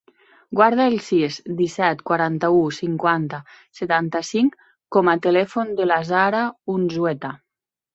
Guarda el sis, disset, quaranta-u, cinquanta, setanta-cinc com a telèfon de la Sara Unzueta.